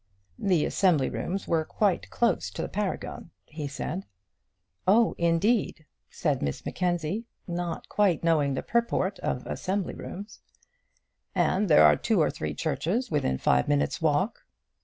"The assembly rooms were quite close to the Paragon," he said. "Oh, indeed!" said Miss Mackenzie, not quite knowing the purport of assembly rooms. "And there are two or three churches within five minutes' walk."